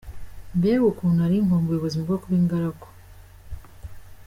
Mbega ukuntu nari nkumbuye ubuzima bwo kuba ingaragu.